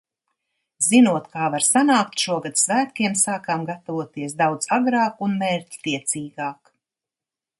Zinot, kā var sanākt, šogad svētkiem sākām gatavoties daudz agrāk un mērķtiecīgāk.